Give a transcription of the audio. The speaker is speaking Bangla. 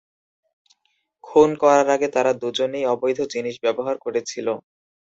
খুন করার আগে তারা দুজনেই অবৈধ জিনিস ব্যবহার করেছিল।